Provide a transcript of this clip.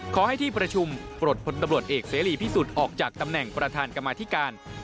ขอให้ที่ประชุมปลดพลตำรวจเอกเสรีพิสุทธิ์ออกจากตำแหน่งประธานกรรมาธิการ